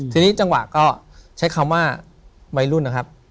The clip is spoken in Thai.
ทีนี้จังหวะก็ใช้คำว่าวัยรุ่นนะครับ